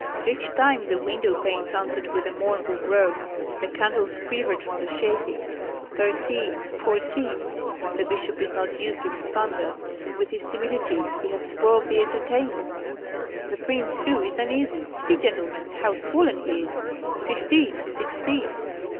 Each time the window panes answered with a mournful groan. The candles quivered from the shaking. "Thirteen, fourteen! The bishop is not used to the thunder. With his timidity he has spoiled the entertainment; the prince too is uneasy. See, gentlemen, how swollen he is! Fifteen, sixteen!